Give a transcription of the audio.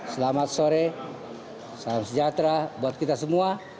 selamat sore salam sejahtera buat kita semua